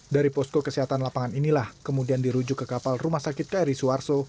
dari posko kesehatan lapangan inilah kemudian dirujuk ke kapal rumah sakit kri suharto